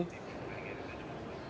selamat malam pak martin